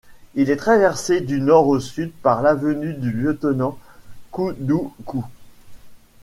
Il est traversé du nord au sud par l’avenue du lieutenant-Koudoukou.